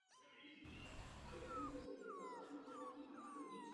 Ve výsledku se tedy jedná o buňku obsahující více jader.